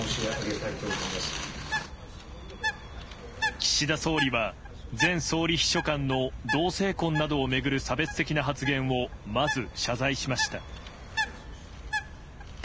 岸田総理は前総理秘書官の同性婚などを巡る差別的な発言をまず、謝罪しました。